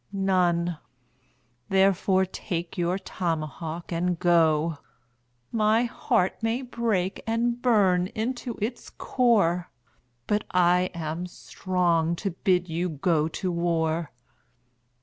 None therefore take your tomahawk and go. My heart may break and burn into its core, But I am strong to bid you go to war.